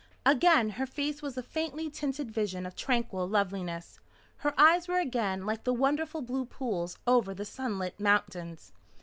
Again her face was a faintly tinted vision of tranquil loveliness; her eyes were again like the wonderful blue pools over the sunlit mountains.